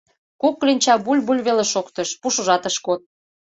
Кок кленча буль-буль веле шоктыш — пушыжат ыш код.